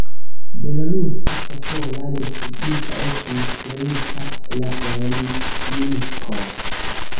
Belorusa Popola Respublika estis kreita la en Minsko.